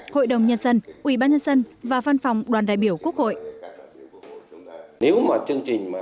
hội đồng nhân dân ủy ban nhân dân và văn phòng đoàn đại biểu quốc hội